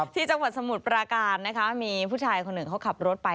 สมุทรปราการนะคะมีผู้ชายคนหนึ่งเขาขับรถไป